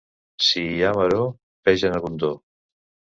Si hi ha maror, peix en abundor.